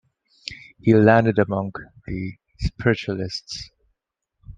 He landed among the spiritualists.